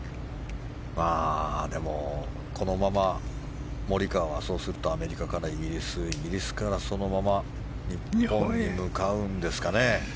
でも、このままモリカワはアメリカからイギリスイギリスからそのまま日本に向かうんですかね？